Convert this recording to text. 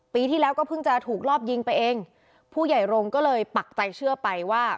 ปีที่แล้วก็เพิ่งจะถูกรอบยิงไปเองผู้ใหญ่โรงก็เลยปักใจเชื่อไปว่า